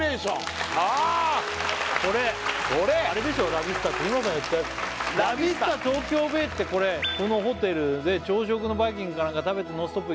ラビスタって日村さんがいったやつラビスタ東京ベイってこれこのホテルで朝食のバイキングか何か食べて「ノンストップ！」